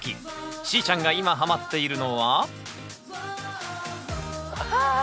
しーちゃんが今ハマっているのははあ！